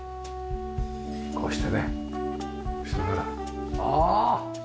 こうしてねしながらああ！